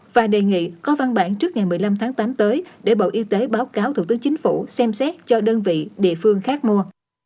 và đề nghị có văn bản trước ngày một mươi năm tháng tám tới để bộ y tế báo cáo thủ tướng chính phủ xem xét cho đơn vị địa phương khác mua